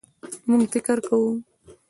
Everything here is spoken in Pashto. مونږ فکر کوو